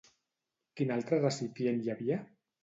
Quin altre recipient hi havia?